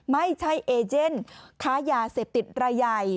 ไม่ใช่เอเจนค้ายาเสพติดรายใหญ่